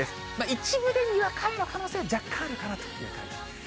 一部でにわか雨の可能性、若干あるかなという感じです。